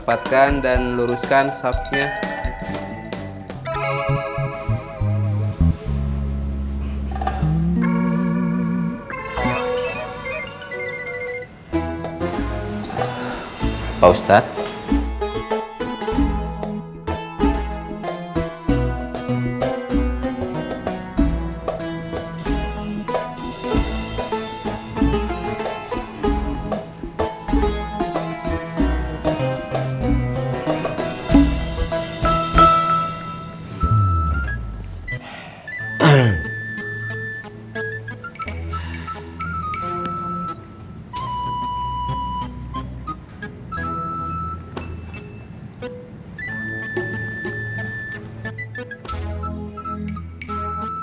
palingan hanya hari minggu aja